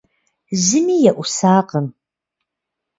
Зыми еӀусакъым.